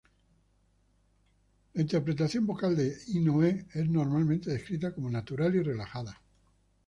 La interpretación vocal de Inoue es normalmente descrita como natural y relajada.